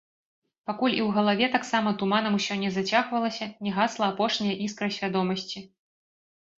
Пакуль і ў галаве таксама туманам усё не зацягвалася, не гасла апошняя іскра свядомасці.